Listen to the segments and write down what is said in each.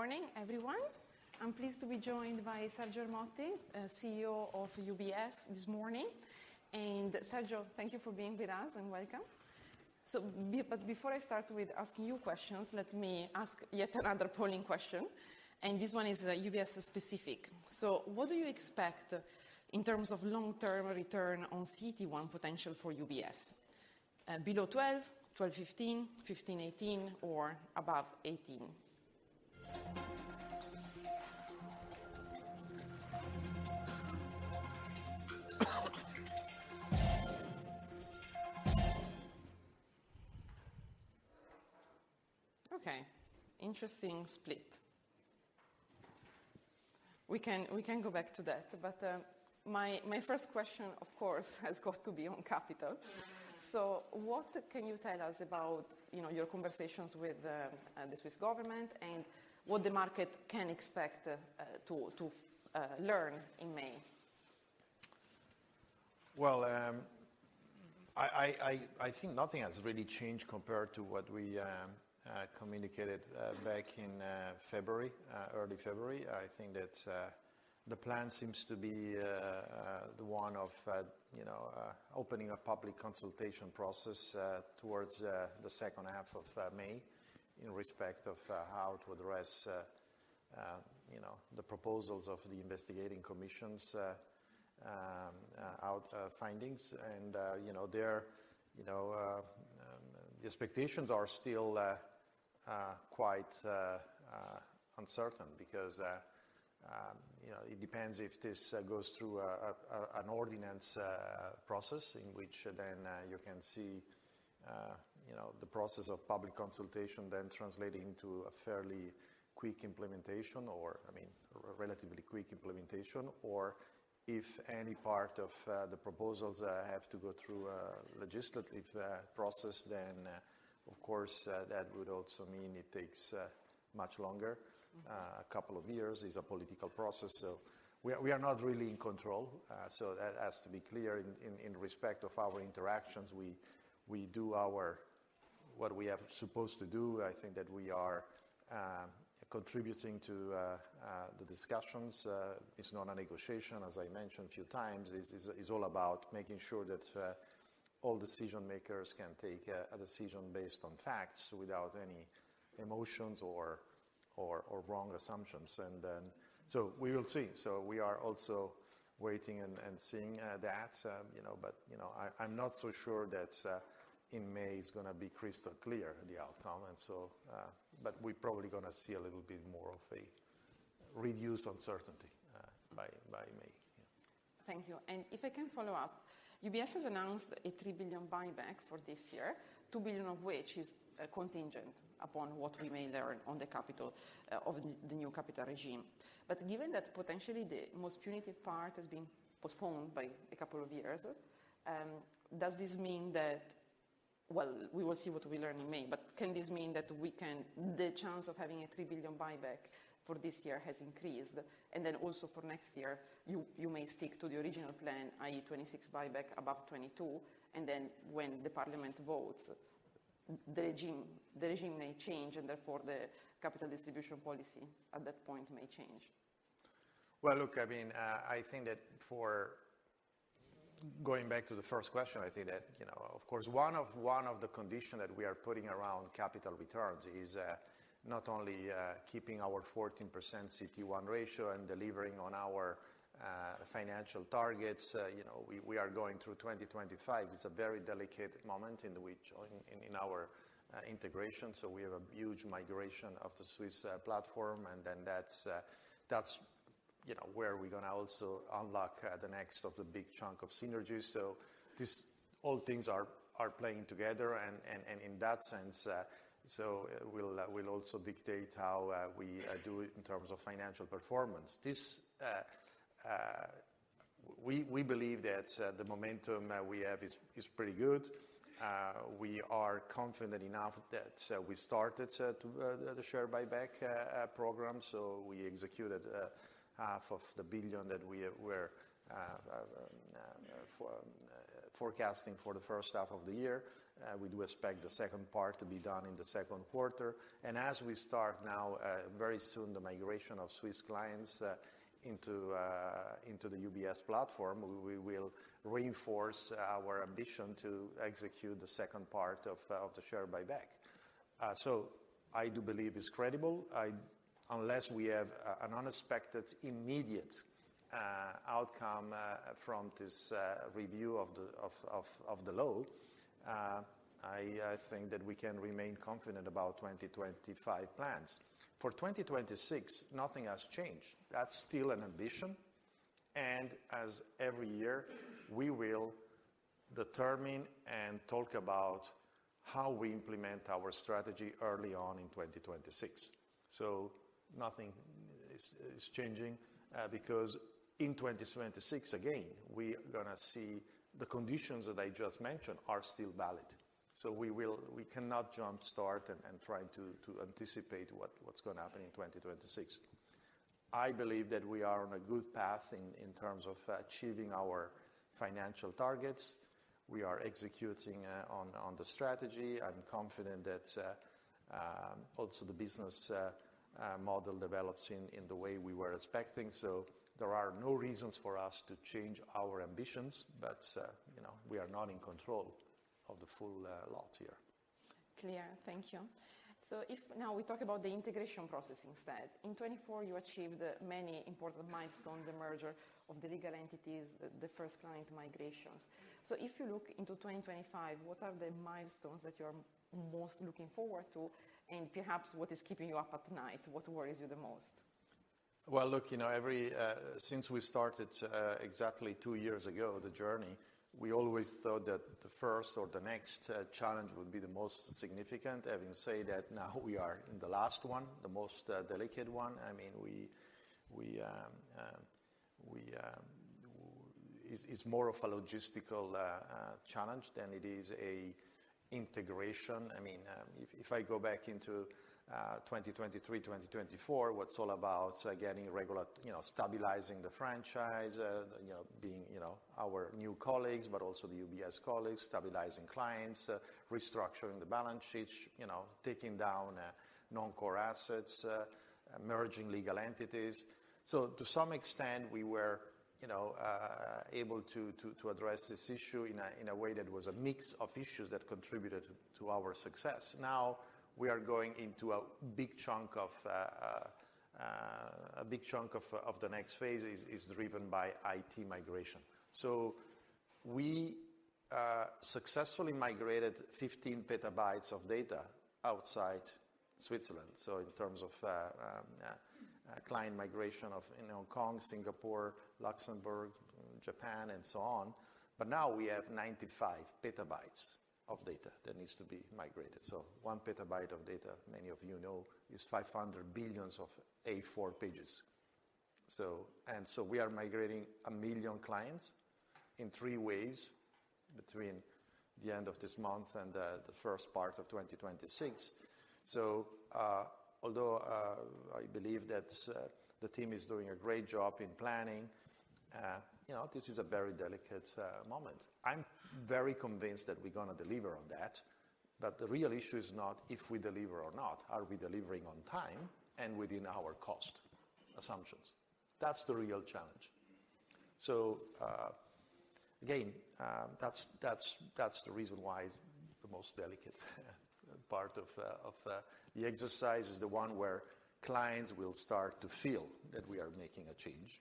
Morning, everyone. I'm pleased to be joined by Sergio Ermotti, CEO of UBS this morning. Sergio, thank you for being with us and welcome. Before I start with asking you questions, let me ask yet another polling question. This one is UBS specific. What do you expect in terms of long-term return on CET1 potential for UBS? Below 12, 12-15, 15-18, or above 18? Okay. Interesting split. We can go back to that. My first question, of course, has got to be on capital. What can you tell us about your conversations with the Swiss government and what the market can expect to learn in May? I think nothing has really changed compared to what we communicated back in February, early February. I think that the plan seems to be the one of opening a public consultation process towards the second half of May in respect of how to address the proposals of the investigating commission's findings. There, the expectations are still quite uncertain because it depends if this goes through an ordinance process in which then you can see the process of public consultation then translate into a fairly quick implementation or, I mean, relatively quick implementation. Or if any part of the proposals have to go through a legislative process, that would also mean it takes much longer, a couple of years. It's a political process. We are not really in control. That has to be clear. In respect of our interactions, we do what we are supposed to do. I think that we are contributing to the discussions. It is not a negotiation, as I mentioned a few times. It is all about making sure that all decision makers can take a decision based on facts without any emotions or wrong assumptions. We will see. We are also waiting and seeing that. I am not so sure that in May it is going to be crystal clear the outcome. We are probably going to see a little bit more of a reduced uncertainty by May. Thank you. If I can follow up, UBS has announced a $3 billion buyback for this year, $2 billion of which is contingent upon what we may learn on the capital of the new capital regime. Given that potentially the most punitive part has been postponed by a couple of years, does this mean that, you know, we will see what we learn in May, but can this mean that the chance of having a $3 billion buyback for this year has increased? Also, for next year, you may stick to the original plan, i.e., $26 billion buyback above $22 billion. When the parliament votes, the regime may change and therefore the capital distribution policy at that point may change. I mean, I think that for going back to the first question, I think that, of course, one of the conditions that we are putting around capital returns is not only keeping our 14% CET1 ratio and delivering on our financial targets. We are going through 2025. It's a very delicate moment in our integration. We have a huge migration of the Swiss platform, and that's where we're going to also unlock the next of the big chunk of synergies. All things are playing together. In that sense, it will also dictate how we do it in terms of financial performance. We believe that the momentum we have is pretty good. We are confident enough that we started the share buyback program. We executed half of the $1 billion that we were forecasting for the first half of the year. We do expect the second part to be done in the second quarter. As we start now very soon, the migration of Swiss clients into the UBS platform, we will reinforce our ambition to execute the second part of the share buyback. I do believe it's credible. Unless we have an unexpected immediate outcome from this review of the law, I think that we can remain confident about 2025 plans. For 2026, nothing has changed. That's still an ambition. As every year, we will determine and talk about how we implement our strategy early on in 2026. Nothing is changing because in 2026, again, we are going to see the conditions that I just mentioned are still valid. We cannot jumpstart and try to anticipate what's going to happen in 2026. I believe that we are on a good path in terms of achieving our financial targets. We are executing on the strategy. I'm confident that also the business model develops in the way we were expecting. There are no reasons for us to change our ambitions, but we are not in control of the full lot here. Clear. Thank you. Now we talk about the integration process instead. In 2024, you achieved many important milestones, the merger of the legal entities, the first client migrations. If you look into 2025, what are the milestones that you are most looking forward to? Perhaps what is keeping you up at night? What worries you the most? Look, since we started exactly two years ago the journey, we always thought that the first or the next challenge would be the most significant. Having said that, now we are in the last one, the most delicate one. I mean, it's more of a logistical challenge than it is an integration. I mean, if I go back into 2023, 2024, it was all about getting regular, stabilizing the franchise, being our new colleagues, but also the UBS colleagues, stabilizing clients, restructuring the balance sheet, taking down non-core assets, merging legal entities. To some extent, we were able to address this issue in a way that was a mix of issues that contributed to our success. Now we are going into a big chunk of the next phase is driven by IT migration. We successfully migrated 15 petabytes of data outside Switzerland. In terms of client migration in Hong Kong, Singapore, Luxembourg, Japan, and so on, we have 95 petabytes of data that needs to be migrated. One petabyte of data, many of you know, is 500 billion A4 pages. We are migrating a million clients in three ways between the end of this month and the first part of 2026. Although I believe that the team is doing a great job in planning, this is a very delicate moment. I'm very convinced that we're going to deliver on that. The real issue is not if we deliver or not. Are we delivering on time and within our cost assumptions? That's the real challenge. That's the reason why the most delicate part of the exercise is the one where clients will start to feel that we are making a change.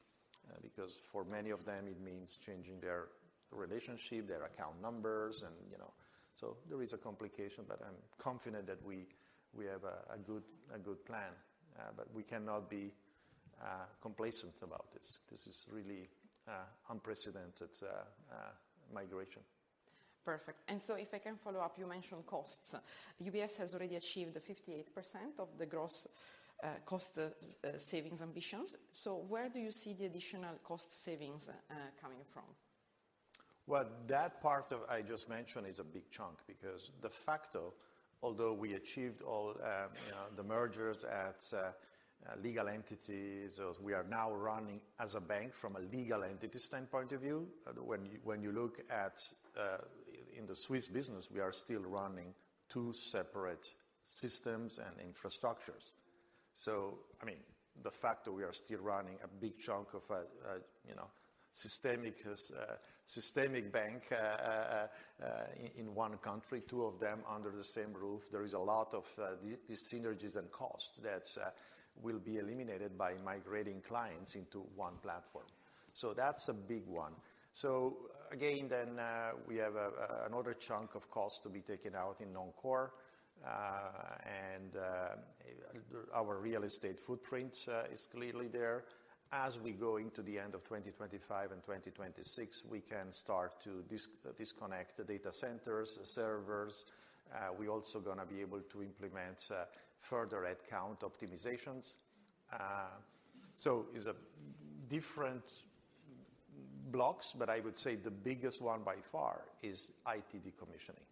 Because for many of them, it means changing their relationship, their account numbers. There is a complication, but I'm confident that we have a good plan. We cannot be complacent about this. This is really unprecedented migration. Perfect. If I can follow up, you mentioned costs. UBS has already achieved 58% of the gross cost savings ambitions. Where do you see the additional cost savings coming from? That part I just mentioned is a big chunk because de facto, although we achieved all the mergers at legal entities, we are now running as a bank from a legal entity standpoint of view. When you look at in the Swiss business, we are still running two separate systems and infrastructures. I mean, the fact that we are still running a big chunk of systemic bank in one country, two of them under the same roof, there is a lot of these synergies and costs that will be eliminated by migrating clients into one platform. That is a big one. Again, then we have another chunk of cost to be taken out in non-core. Our real estate footprint is clearly there. As we go into the end of 2025 and 2026, we can start to disconnect the data centers, the servers. We're also going to be able to implement further headcount optimizations. It's different blocks, but I would say the biggest one by far is IT decommissioning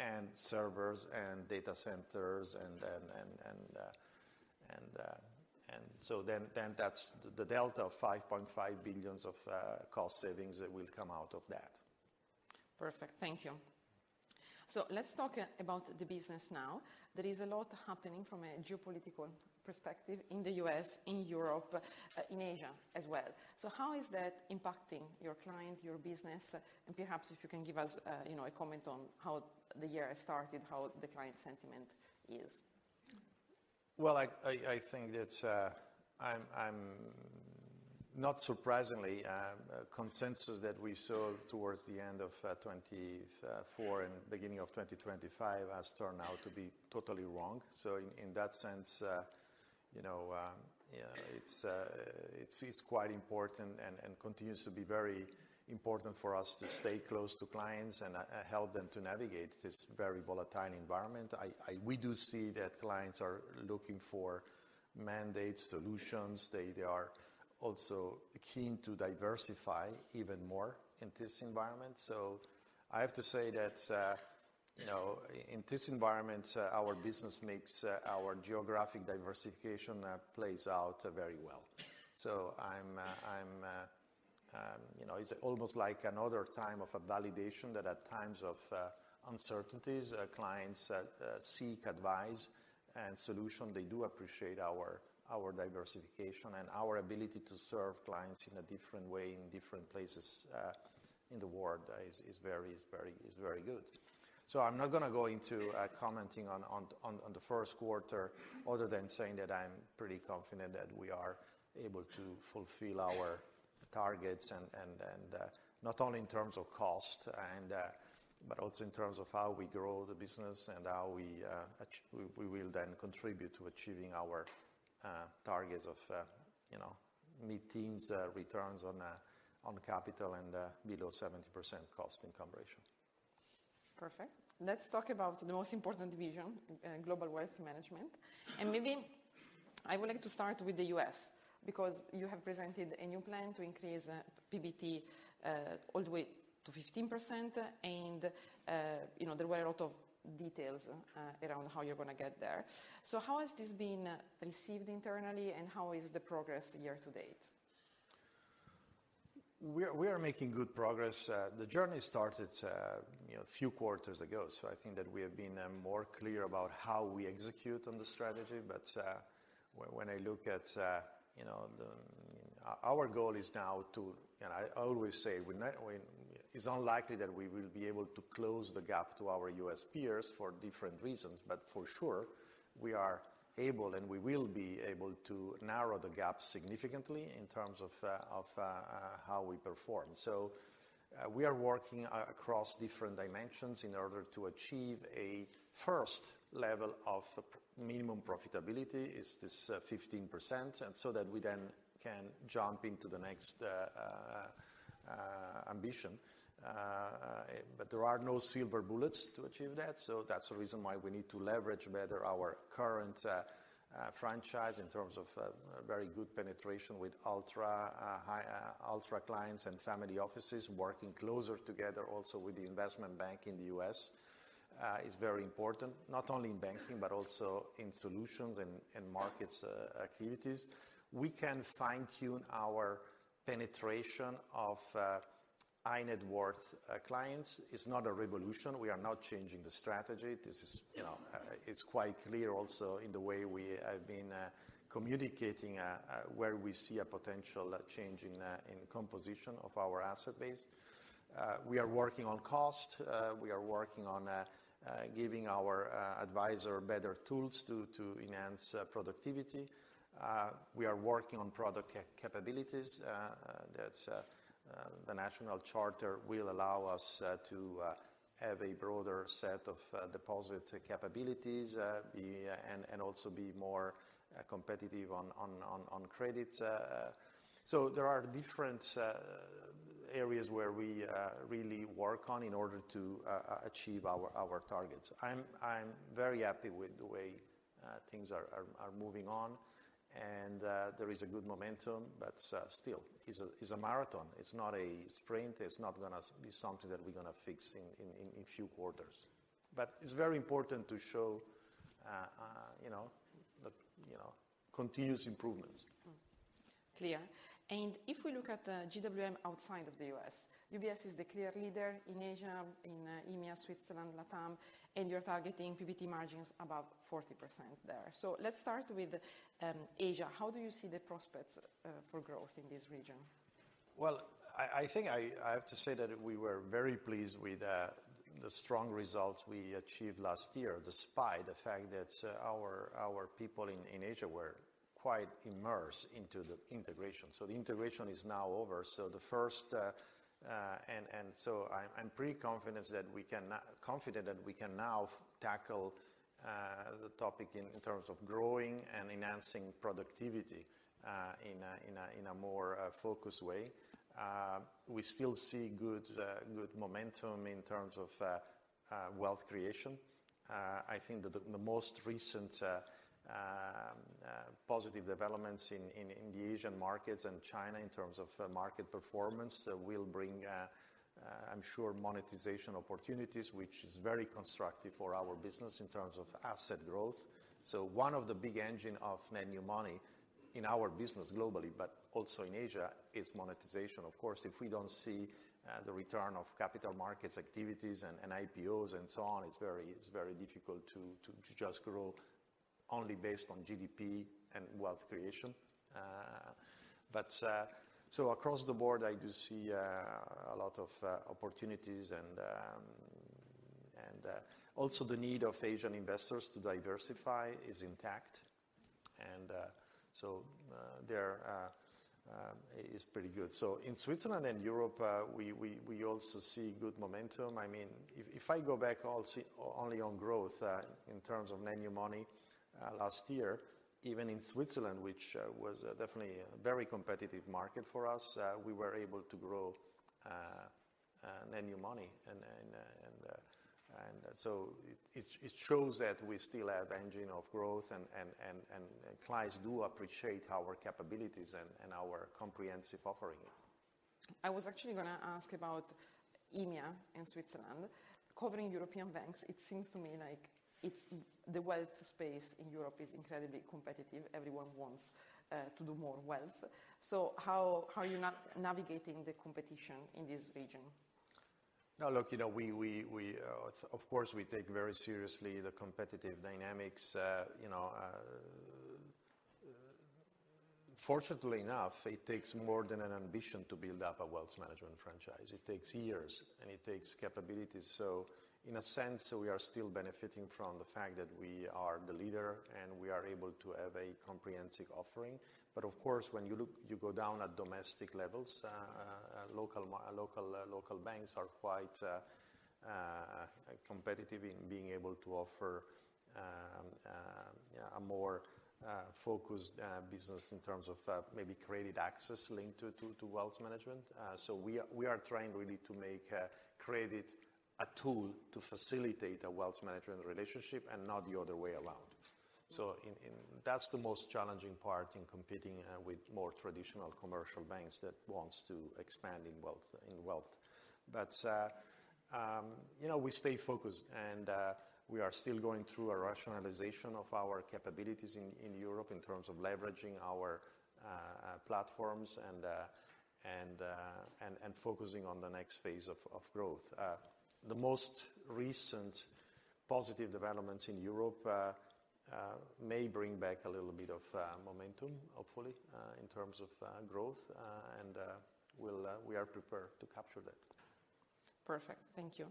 and servers and data centers. That's the delta of $5.5 billion of cost savings that will come out of that. Perfect. Thank you. Let's talk about the business now. There is a lot happening from a geopolitical perspective in the U.S., in Europe, in Asia as well. How is that impacting your client, your business? Perhaps if you can give us a comment on how the year has started, how the client sentiment is. I think that I'm not surprisingly consensus that we saw towards the end of 2024 and beginning of 2025 has turned out to be totally wrong. In that sense, it's quite important and continues to be very important for us to stay close to clients and help them to navigate this very volatile environment. We do see that clients are looking for mandate solutions. They are also keen to diversify even more in this environment. I have to say that in this environment, our business makes our geographic diversification plays out very well. It's almost like another time of validation that at times of uncertainties, clients seek advice and solution. They do appreciate our diversification and our ability to serve clients in a different way in different places in the world is very good. I'm not going to go into commenting on the first quarter other than saying that I'm pretty confident that we are able to fulfill our targets and not only in terms of cost, but also in terms of how we grow the business and how we will then contribute to achieving our targets of meeting returns on capital and below 70% cost-to-income ratio. Perfect. Let's talk about the most important division, Global Wealth Management. Maybe I would like to start with the U.S. because you have presented a new plan to increase PBT all the way to 15%. There were a lot of details around how you're going to get there. How has this been received internally and how is the progress year to date? We are making good progress. The journey started a few quarters ago. I think that we have been more clear about how we execute on the strategy. When I look at our goal is now to, and I always say, it's unlikely that we will be able to close the gap to our U.S. peers for different reasons. For sure, we are able and we will be able to narrow the gap significantly in terms of how we perform. We are working across different dimensions in order to achieve a first level of minimum profitability is this 15% so that we then can jump into the next ambition. There are no silver bullets to achieve that. That's the reason why we need to leverage better our current franchise in terms of very good penetration with ultra clients and family offices working closer together also with the Investment Bank in the U.S. is very important, not only in banking, but also in solutions and markets activities. We can fine-tune our penetration of high-net-worth clients. It's not a revolution. We are not changing the strategy. It's quite clear also in the way we have been communicating where we see a potential change in composition of our asset base. We are working on cost. We are working on giving our advisor better tools to enhance productivity. We are working on product capabilities that the national charter will allow us to have a broader set of deposit capabilities and also be more competitive on credit. There are different areas where we really work on in order to achieve our targets. I'm very happy with the way things are moving on. There is a good momentum, but still it's a marathon. It's not a sprint. It's not going to be something that we're going to fix in a few quarters. It is very important to show continuous improvements. Clear. If we look at GWM outside of the U.S., UBS is the clear leader in Asia, in EMEA, Switzerland, LATAM, and you're targeting PBT margins above 40% there. Let's start with Asia. How do you see the prospects for growth in this region? I think I have to say that we were very pleased with the strong results we achieved last year, despite the fact that our people in Asia were quite immersed into the integration. The integration is now over. I am pretty confident that we can now tackle the topic in terms of growing and enhancing productivity in a more focused way. We still see good momentum in terms of wealth creation. I think that the most recent positive developments in the Asian markets and China in terms of market performance will bring, I am sure, monetization opportunities, which is very constructive for our business in terms of asset growth. One of the big engines of net new money in our business globally, but also in Asia, is monetization, of course. If we do not see the return of capital markets activities and IPOs and so on, it is very difficult to just grow only based on GDP and wealth creation. Across the board, I do see a lot of opportunities. Also, the need of Asian investors to diversify is intact. There is pretty good momentum. In Switzerland and Europe, we also see good momentum. I mean, if I go back only on growth in terms of net new money last year, even in Switzerland, which was definitely a very competitive market for us, we were able to grow net new money. It shows that we still have engine of growth and clients do appreciate our capabilities and our comprehensive offering. I was actually going to ask about EMEA and Switzerland. Covering European banks, it seems to me like the wealth space in Europe is incredibly competitive. Everyone wants to do more wealth. How are you navigating the competition in this region? Now, look, of course, we take very seriously the competitive dynamics. Fortunately enough, it takes more than an ambition to build up a wealth management franchise. It takes years and it takes capabilities. In a sense, we are still benefiting from the fact that we are the leader and we are able to have a comprehensive offering. Of course, when you go down at domestic levels, local banks are quite competitive in being able to offer a more focused business in terms of maybe credit access linked to wealth management. We are trying really to make credit a tool to facilitate a wealth management relationship and not the other way around. That is the most challenging part in competing with more traditional commercial banks that want to expand in wealth. We stay focused and we are still going through a rationalization of our capabilities in Europe in terms of leveraging our platforms and focusing on the next phase of growth. The most recent positive developments in Europe may bring back a little bit of momentum, hopefully, in terms of growth. We are prepared to capture that. Perfect. Thank you.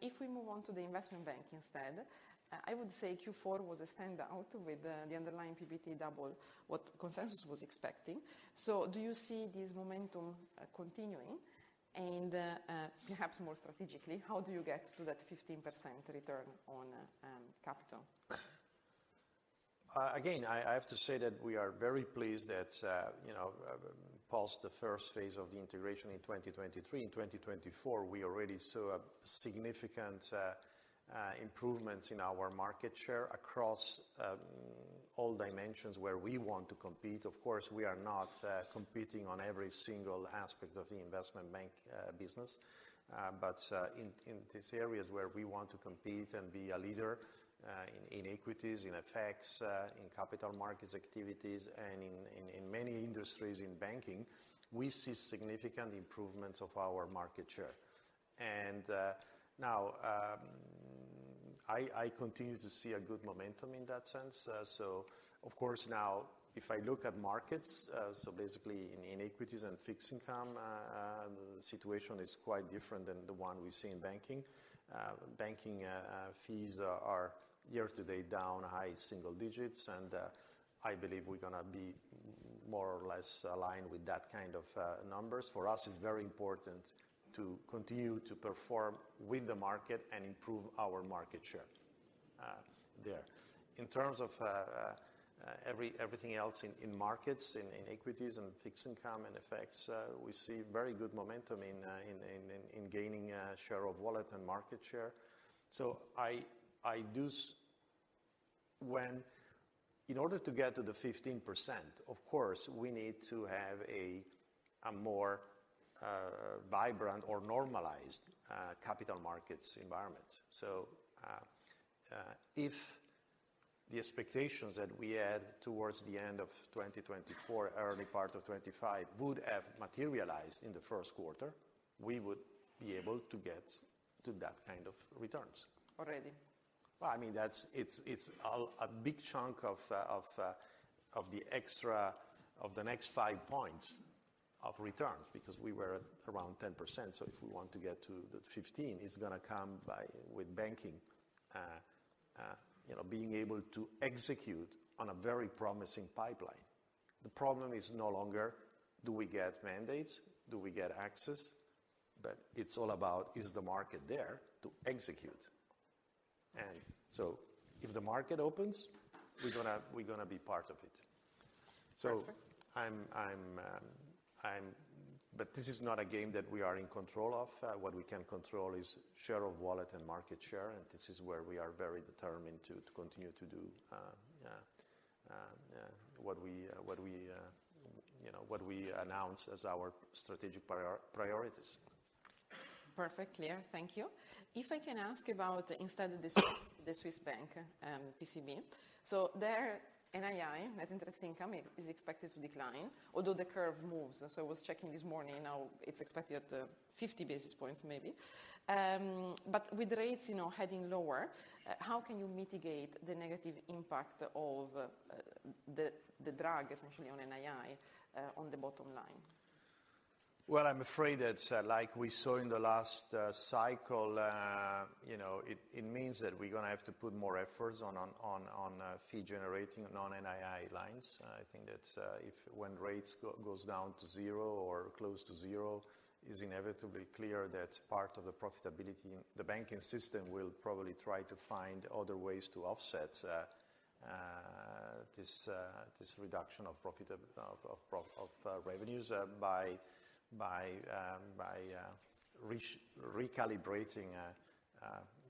If we move on to the Investment Bank instead, I would say Q4 was a standout with the underlying PBT double what consensus was expecting. Do you see this momentum continuing? Perhaps more strategically, how do you get to that 15% return on capital? Again, I have to say that we are very pleased that we passed the first phase of the integration in 2023. In 2024, we already saw significant improvements in our market share across all dimensions where we want to compete. Of course, we are not competing on every single aspect of the Investment Bank business. In these areas where we want to compete and be a leader in equities, in FX, in capital markets activities, and in many industries in banking, we see significant improvements of our market share. I continue to see a good momentum in that sense. Of course, now if I look at markets, basically in equities and fixed income, the situation is quite different than the one we see in banking. Banking fees are year to date down high single digits. I believe we're going to be more or less aligned with that kind of numbers. For us, it's very important to continue to perform with the market and improve our market share there. In terms of everything else in markets, in equities and fixed income and FX, we see very good momentum in gaining share of wallet and market share. In order to get to the 15%, of course, we need to have a more vibrant or normalized capital markets environment. If the expectations that we had towards the end of 2024, early part of 2025, would have materialized in the first quarter, we would be able to get to that kind of returns. Already. I mean, it's a big chunk of the extra of the next five points of returns because we were around 10%. If we want to get to the 15%, it's going to come with banking being able to execute on a very promising pipeline. The problem is no longer do we get mandates, do we get access, but it's all about is the market there to execute. If the market opens, we're going to be part of it. This is not a game that we are in control of. What we can control is share of wallet and market share. This is where we are very determined to continue to do what we announce as our strategic priorities. Perfect. Clear. Thank you. If I can ask about instead of the Swiss bank, PCB, so their NII, that interest income, is expected to decline, although the curve moves. I was checking this morning. Now it is expected at 50 basis points maybe. With rates heading lower, how can you mitigate the negative impact of the drag essentially on NII on the bottom line? I'm afraid that like we saw in the last cycle, it means that we're going to have to put more efforts on fee generating non-NII lines. I think that when rates goes down to zero or close to zero, it's inevitably clear that part of the profitability, the banking system will probably try to find other ways to offset this reduction of revenues by recalibrating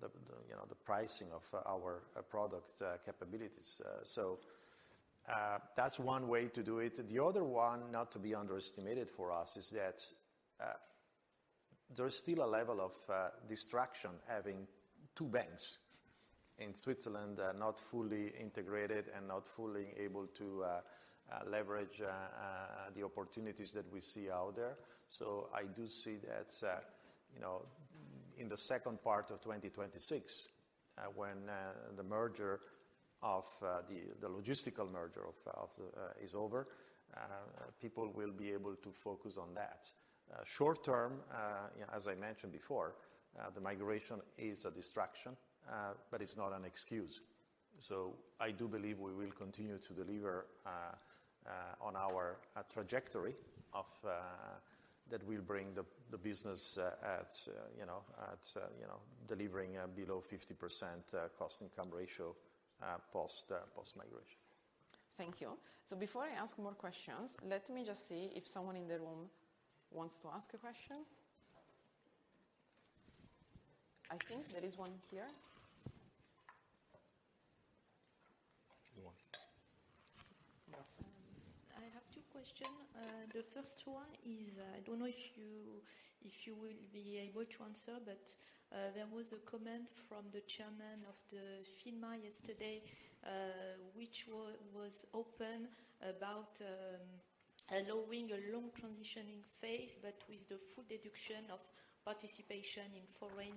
the pricing of our product capabilities. That's one way to do it. The other one not to be underestimated for us is that there's still a level of distraction having two banks in Switzerland not fully integrated and not fully able to leverage the opportunities that we see out there. I do see that in the second part of 2026, when the merger of the logistical merger is over, people will be able to focus on that. Short term, as I mentioned before, the migration is a distraction, but it's not an excuse. I do believe we will continue to deliver on our trajectory that will bring the business at delivering below 50% cost-to-income ratio post migration. Thank you. Before I ask more questions, let me just see if someone in the room wants to ask a question. I think there is one here. I have two questions. The first one is I don't know if you will be able to answer, but there was a comment from the chairman of FINMA yesterday, which was open about allowing a long transitioning phase, but with the full deduction of participation in foreign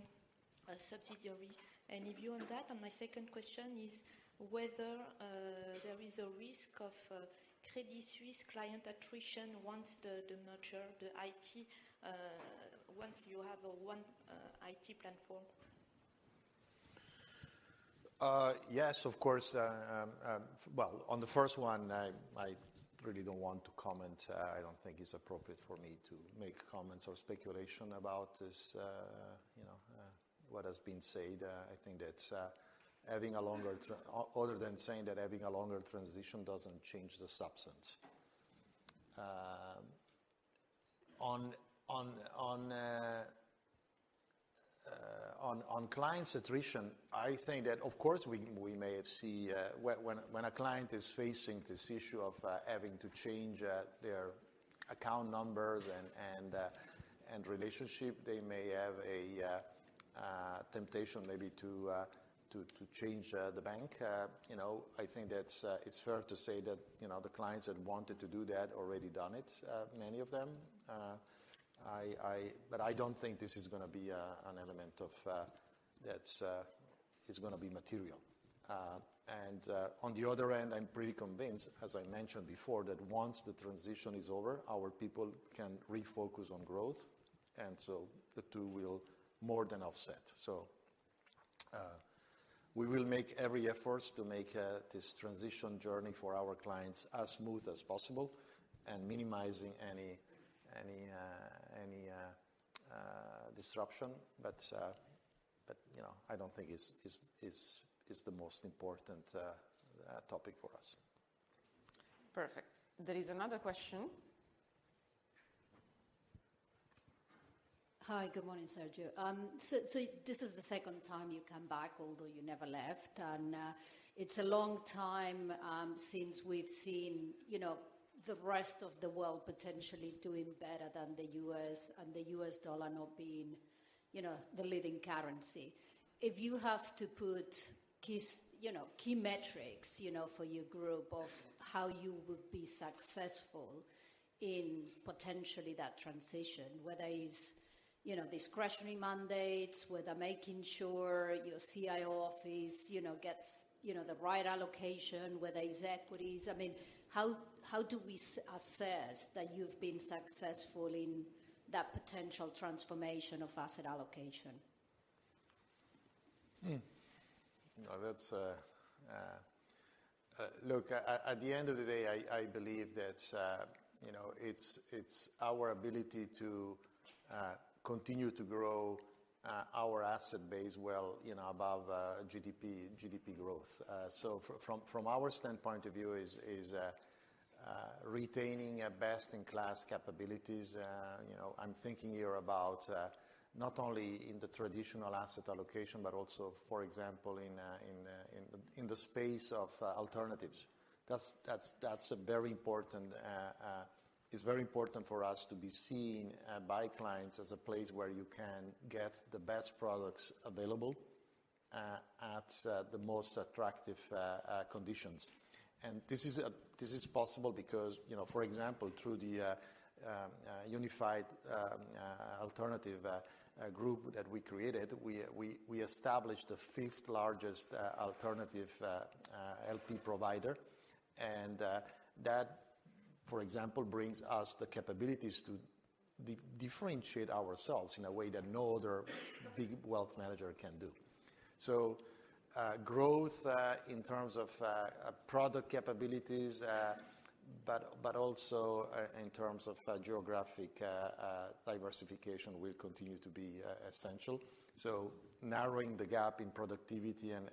subsidiary. If you want that, my second question is whether there is a risk of Credit Suisse client attrition once the merger, the IT, once you have one IT platform. Yes, of course. On the first one, I really don't want to comment. I don't think it's appropriate for me to make comments or speculation about what has been said. I think that, other than saying that having a longer transition doesn't change the substance. On clients' attrition, I think that, of course, we may see when a client is facing this issue of having to change their account numbers and relationship, they may have a temptation maybe to change the bank. I think that it's fair to say that the clients that wanted to do that already done it, many of them. I don't think this is going to be an element that is going to be material. On the other end, I'm pretty convinced, as I mentioned before, that once the transition is over, our people can refocus on growth. The two will more than offset. We will make every effort to make this transition journey for our clients as smooth as possible and minimizing any disruption. I do not think it is the most important topic for us. Perfect. There is another question. Hi, good morning, Sergio. This is the second time you come back, although you never left. It is a long time since we have seen the rest of the world potentially doing better than the U.S. and the U.S. dollar not being the leading currency. If you have to put key metrics for your group of how you would be successful in potentially that transition, whether it is discretionary mandates, whether making sure your CIO office gets the right allocation, whether it is equities, I mean, how do we assess that you have been successful in that potential transformation of asset allocation? Look, at the end of the day, I believe that it's our ability to continue to grow our asset base well above GDP growth. From our standpoint of view, it's retaining best in class capabilities. I'm thinking here about not only in the traditional asset allocation, but also, for example, in the space of alternatives. That's very important. It's very important for us to be seen by clients as a place where you can get the best products available at the most attractive conditions. This is possible because, for example, through the Unified Global Alternatives that we created, we established the fifth largest alternative LP provider. That, for example, brings us the capabilities to differentiate ourselves in a way that no other big wealth manager can do. Growth in terms of product capabilities, but also in terms of geographic diversification will continue to be essential. Narrowing the gap in productivity and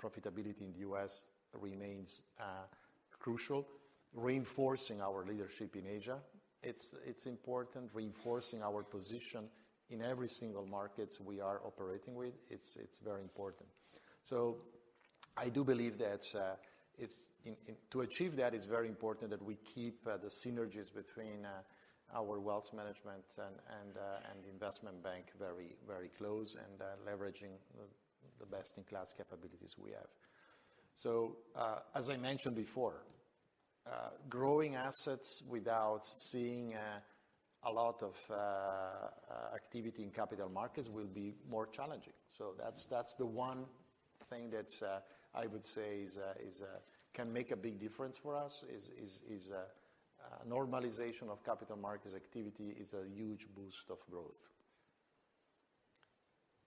profitability in the U.S. remains crucial. Reinforcing our leadership in Asia, it's important. Reinforcing our position in every single market we are operating with, it's very important. I do believe that to achieve that, it's very important that we keep the synergies between our wealth management and Investment Bank very close and leveraging the best in class capabilities we have. As I mentioned before, growing assets without seeing a lot of activity in capital markets will be more challenging. That's the one thing that I would say can make a big difference for us is normalization of capital markets activity is a huge boost of growth.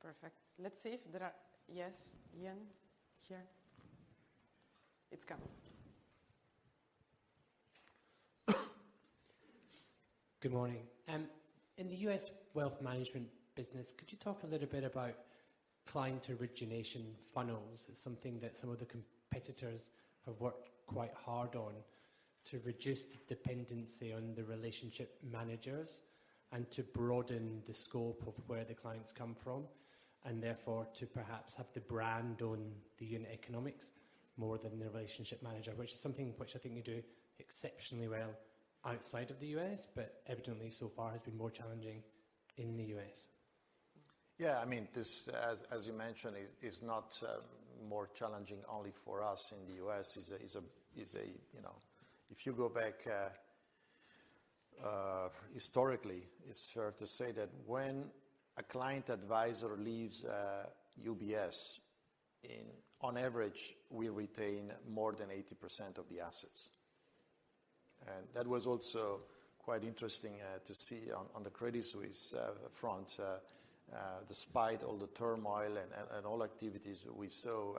Perfect. Let's see if there are yes, Ian, here. It's coming. Good morning. In the U.S. wealth management business, could you talk a little bit about client origination funnels? It's something that some of the competitors have worked quite hard on to reduce the dependency on the relationship managers and to broaden the scope of where the clients come from, and therefore to perhaps have the brand on the unit economics more than the relationship manager, which is something which I think you do exceptionally well outside of the U.S., but evidently so far has been more challenging in the U.S. Yeah. I mean, as you mentioned, it's not more challenging only for us in the U.S. If you go back historically, it's fair to say that when a client advisor leaves UBS, on average, we retain more than 80% of the assets. That was also quite interesting to see on the Credit Suisse front. Despite all the turmoil and all activities we saw,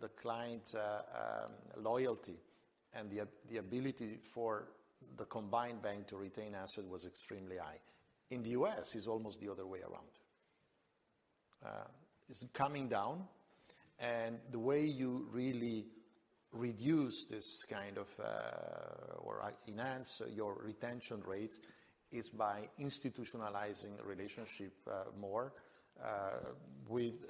the client loyalty and the ability for the combined bank to retain asset was extremely high. In the U.S., it's almost the other way around. It's coming down. The way you really reduce this kind of or enhance your retention rate is by institutionalizing relationship more with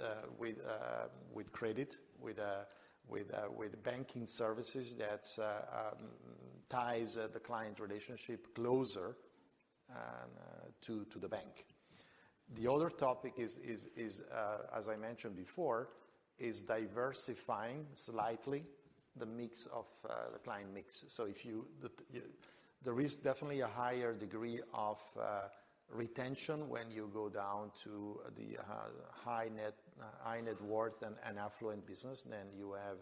credit, with banking services that ties the client relationship closer to the bank. The other topic is, as I mentioned before, diversifying slightly the mix of the client mix. There is definitely a higher degree of retention when you go down to the high net worth and affluent business than you have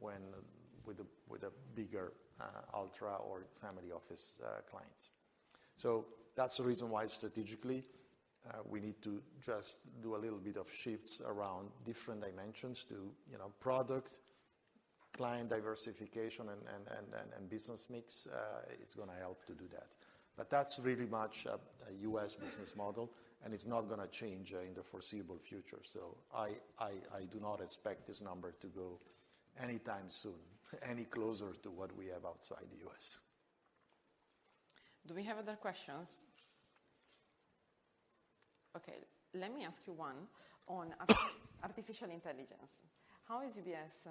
with a bigger ultra or family office clients. That is the reason why strategically we need to just do a little bit of shifts around different dimensions to product, client diversification, and business mix. It is going to help to do that. That is really much a US business model, and it is not going to change in the foreseeable future. I do not expect this number to go anytime soon, any closer to what we have outside the U.S. Do we have other questions? Okay. Let me ask you one on artificial intelligence. How is UBS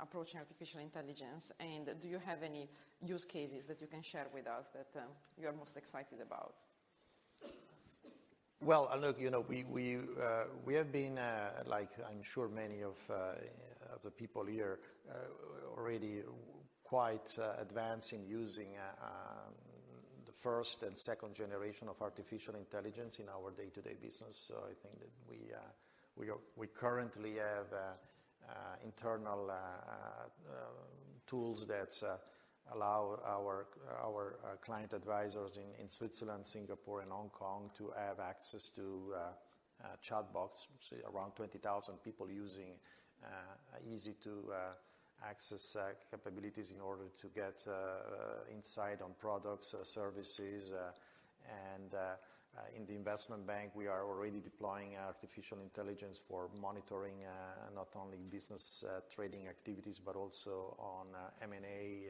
approaching artificial intelligence? Do you have any use cases that you can share with us that you are most excited about? Look, we have been, like I'm sure many of the people here already, quite advanced in using the first and second generation of artificial intelligence in our day-to-day business. I think that we currently have internal tools that allow our client advisors in Switzerland, Singapore, and Hong Kong to have access to chatbots. Around 20,000 people using easy-to-access capabilities in order to get insight on products, services. In the Investment Bank, we are already deploying artificial intelligence for monitoring not only business trading activities, but also on M&A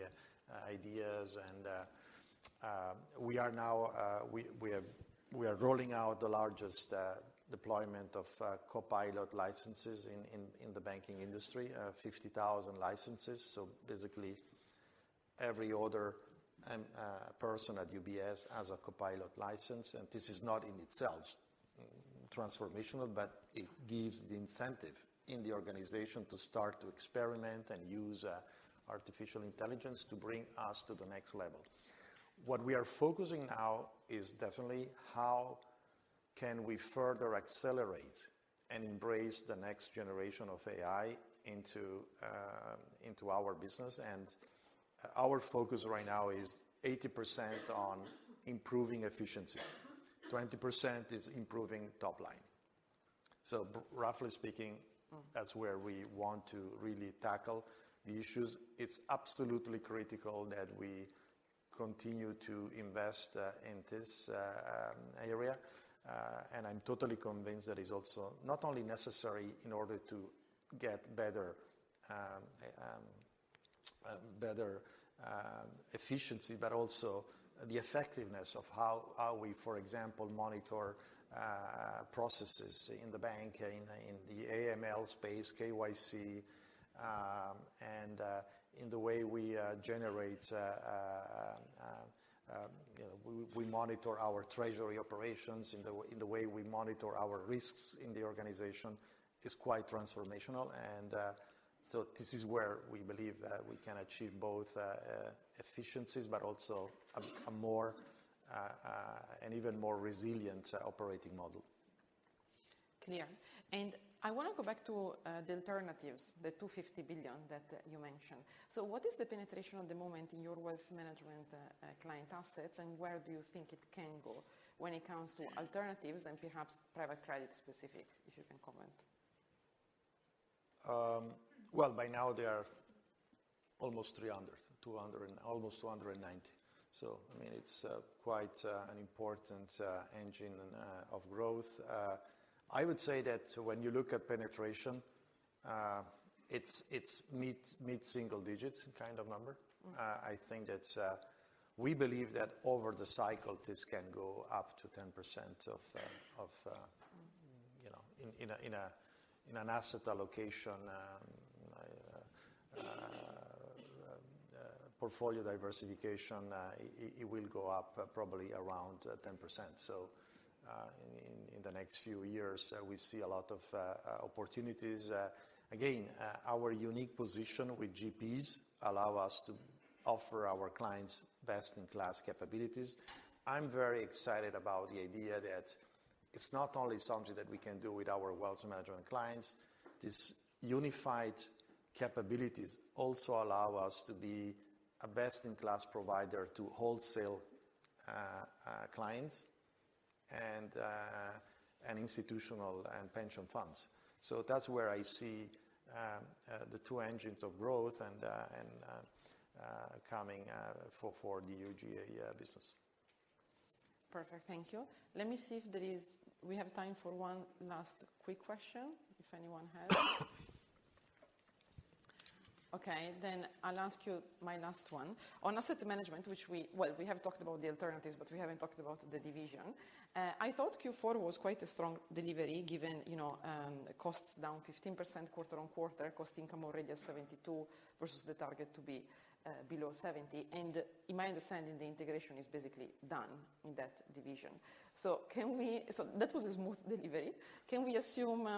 ideas. We are now rolling out the largest deployment of Copilot licenses in the banking industry, 50,000 licenses. Basically, every older person at UBS has a Copilot license. This is not in itself transformational, but it gives the incentive in the organization to start to experiment and use artificial intelligence to bring us to the next level. What we are focusing now is definitely how can we further accelerate and embrace the next generation of AI into our business. Our focus right now is 80% on improving efficiencies. 20% is improving top line. Roughly speaking, that's where we want to really tackle the issues. It's absolutely critical that we continue to invest in this area. I'm totally convinced that it's also not only necessary in order to get better efficiency, but also the effectiveness of how we, for example, monitor processes in the bank, in the AML space, KYC, and in the way we generate. We monitor our treasury operations in the way we monitor our risks in the organization is quite transformational. This is where we believe we can achieve both efficiencies, but also an even more resilient operating model. Clear. I want to go back to the alternatives, the $250 billion that you mentioned. What is the penetration at the moment in your wealth management client assets, and where do you think it can go when it comes to alternatives and perhaps private credit specific, if you can comment? By now, they are almost 300, almost 290. I mean, it's quite an important engine of growth. I would say that when you look at penetration, it's mid-single digit kind of number. I think that we believe that over the cycle, this can go up to 10% in an asset allocation portfolio diversification, it will go up probably around 10%. In the next few years, we see a lot of opportunities. Again, our unique position with GPs allows us to offer our clients best in class capabilities. I'm very excited about the idea that it's not only something that we can do with our wealth management clients. These unified capabilities also allow us to be a best in class provider to wholesale clients and institutional and pension funds. That's where I see the two engines of growth coming for the UGA business. Perfect. Thank you. Let me see if we have time for one last quick question, if anyone has. Okay. I will ask you my last one. On Asset Management, which we, well, we have talked about the alternatives, but we have not talked about the division. I thought Q4 was quite a strong delivery given costs down 15% quarter on quarter, cost income already at 72% versus the target to be below 70%. In my understanding, the integration is basically done in that division. That was a smooth delivery. Can we assume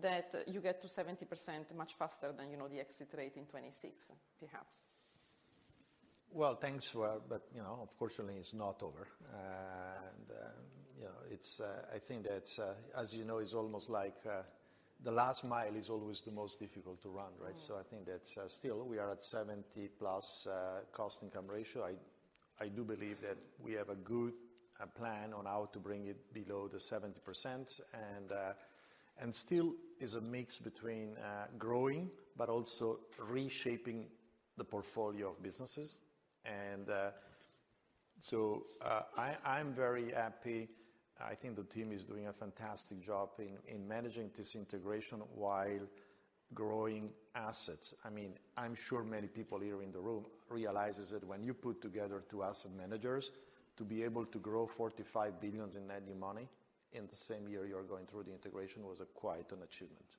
that you get to 70% much faster than the exit rate in 2026, perhaps? Thanks. Unfortunately, it's not over. I think that, as you know, it's almost like the last mile is always the most difficult to run, right? I think that still we are at 70% plus cost income ratio. I do believe that we have a good plan on how to bring it below the 70%. Still, it's a mix between growing, but also reshaping the portfolio of businesses. I am very happy. I think the team is doing a fantastic job in managing this integration while growing assets. I mean, I'm sure many people here in the room realize that when you put together two asset managers to be able to grow $45 billion in net new money in the same year you're going through the integration was quite an achievement.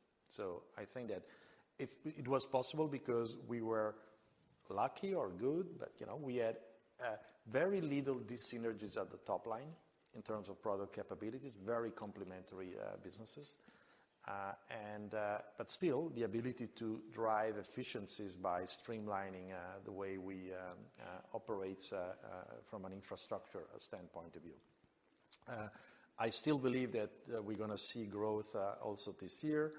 I think that it was possible because we were lucky or good, but we had very little synergies at the top line in terms of product capabilities, very complementary businesses. But still, the ability to drive efficiencies by streamlining the way we operate from an infrastructure standpoint of view. I still believe that we're going to see growth also this year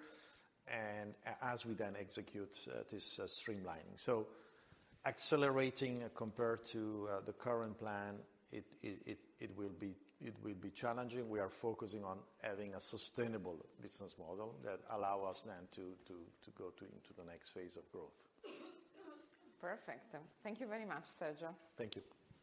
as we then execute this streamlining. Accelerating compared to the current plan, it will be challenging. We are focusing on having a sustainable business model that allows us then to go into the next phase of growth. Perfect. Thank you very much, Sergio. Thank you.